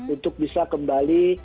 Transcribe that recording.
untuk bisa kembali